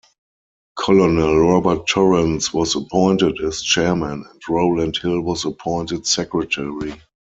Colonel Robert Torrens was appointed as chairman and Rowland Hill was appointed secretary.